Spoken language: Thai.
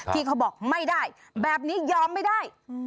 ที่เขาบอกไม่ได้แบบนี้ยอมไม่ได้